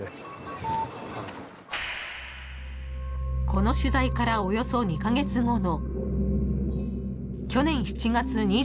［この取材からおよそ２カ月後の］